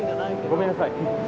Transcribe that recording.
ごめんなさい。